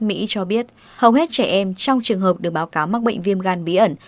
mỹ cho biết hầu hết trẻ em trong trường hợp được báo cáo mắc bệnh viêm gan bí ẩn